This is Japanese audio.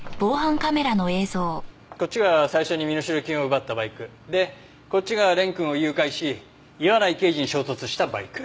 こっちが最初に身代金を奪ったバイク。でこっちが蓮くんを誘拐し岩内刑事に衝突したバイク。